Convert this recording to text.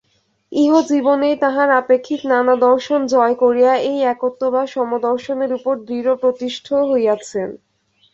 ইহজীবনেই তাঁহারা আপেক্ষিক নানা-দর্শন জয় করিয়া এই একত্ব বা সমদর্শনের উপর দৃঢ়প্রতিষ্ঠ হইয়াছেন।